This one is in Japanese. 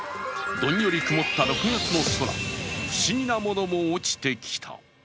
どんより曇った６月の空、不思議なものも落ちてきた。